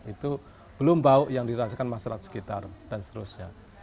itu belum bau yang dirasakan masyarakat sekitar dan seterusnya